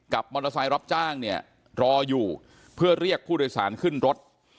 มอเตอร์ไซค์รับจ้างเนี่ยรออยู่เพื่อเรียกผู้โดยสารขึ้นรถ